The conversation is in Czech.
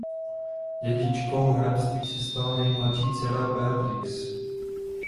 Dědičkou hrabství se stala nejmladší dcera Beatrix.